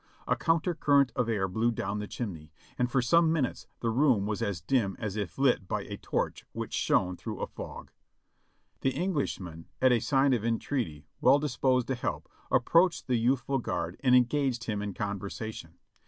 A counter current of air blew down the chimney, and for some minutes the room was as dim as if lit by a torch which shone through a fog. The Englishman, at a sign of entreaty, well disposed to help, approached the youthful guard and engaged him in conversation.